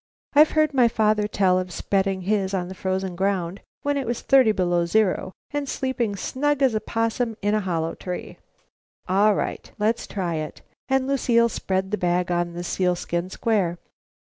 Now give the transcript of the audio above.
"I've heard my father tell of spreading his on the frozen ground when it was thirty below zero, and sleeping snug as a 'possum in a hollow tree." "All right; let's try it," and Lucile spread the bag on the sealskin square.